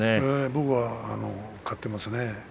僕はかっていますね。